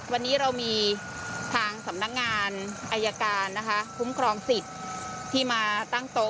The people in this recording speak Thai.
วันนี้เรามีทางสำนักงานอายการนะคะคุ้มครองสิทธิ์ที่มาตั้งโต๊ะ